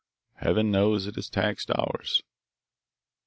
Heaven knows it has taxed ours."